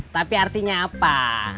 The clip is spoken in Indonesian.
tapi artinya apa